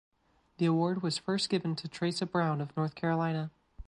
The award was first given to Tresa Brown of North Carolina.